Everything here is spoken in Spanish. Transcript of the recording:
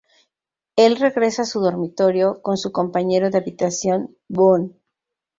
El regresa a su dormitorio, con su compañero de habitación Boone.